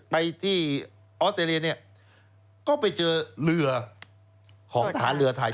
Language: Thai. ไปที่ออสเตรเลียเนี่ยก็ไปเจอเรือของทหารเรือไทย